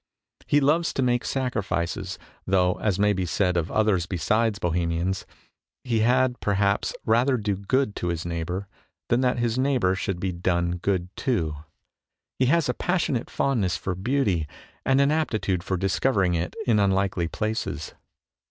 He loves to make sacrifices, though, as may be said of others besides Bohemians, he had, perhaps, rather do good to his neighbour than that his neighbour should be done good to. He has a passionate fondness for beauty, and an aptitude for discovering it in unlikely places.